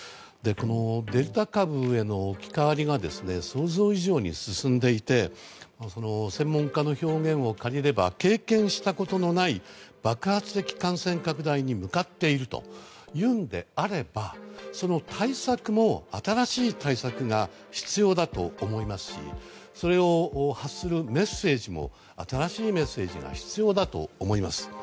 デルタ株への置き換わりが想像以上に進んでいて専門家の表現を借りれば経験したことのない爆発的感染拡大に向かっているというのであればその対策も新しい対策が必要だと思いますしそれを発するメッセージも新しいメッセージが必要だと思います。